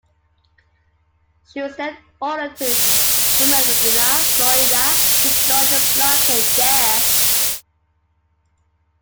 She was then ordered to Fernandina, Florida, to join the blockade there.